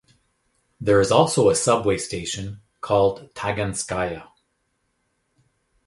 There is also a subway station, called Taganskaya.